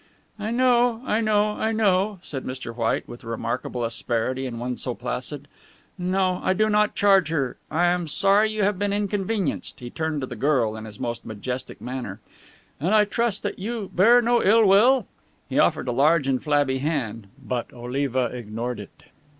"I know, I know, I know," said Mr. White, with remarkable asperity in one so placid. "No, I do not charge her. I am sorry you have been inconvenienced" he turned to the girl in his most majestic manner "and I trust that you bear no ill will." He offered a large and flabby hand, but Oliva ignored it.